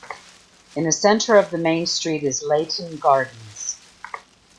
In the centre of the main street is Leighton Gardens.